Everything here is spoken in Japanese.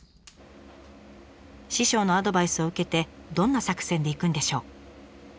師匠のアドバイスを受けてどんな作戦でいくんでしょう？